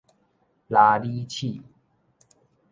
鯪鯉鼠